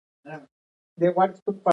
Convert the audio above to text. استاد د ښو اخلاقو تمرین کوي.